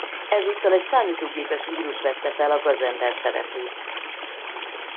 Ezúttal egy számítógépes vírus vette fel a gazember szerepét.